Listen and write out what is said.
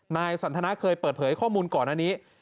นายสันทนาเคยเปิดเผยข้อมูลก่อนอันนี้